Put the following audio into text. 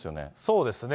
そうですね。